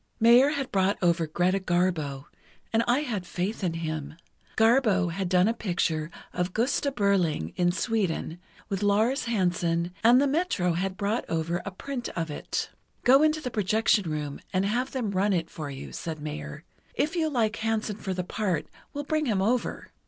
Mayer had brought over Greta Garbo, and I had faith in him. Garbo had done a picture of 'Gosta Berling' in Sweden, with Lars Hansen, and the Metro had brought over a print of it. 'Go into the projection room and have them run it for you,' said Mayer. 'If you like Hansen for the part, we'll bring him over.